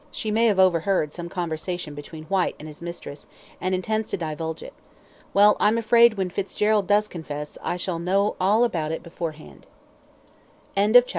"She may have overheard some conversation between Whyte and his mistress, and intends to divulge it. Well, I'm afraid when Fitzgerald does confess, I shall know all about it beforehand." CHAPTER XXVII.